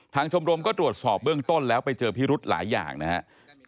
ชมรมก็ตรวจสอบเบื้องต้นแล้วไปเจอพิรุธหลายอย่างนะครับ